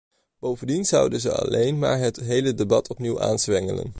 Bovendien zouden ze alleen maar het hele debat opnieuw aanzwengelen.